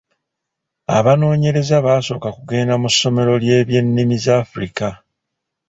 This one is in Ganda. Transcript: Abanoonyereza basooka kugenda mu ssomero ly'ebyennimi z'a Africa.